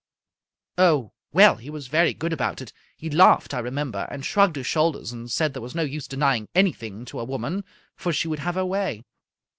" Oh, well, he was very good about it. He laughed, I remember, and shrugged his shoulders, and said there was no use denying anything to a woman, for she would have her way."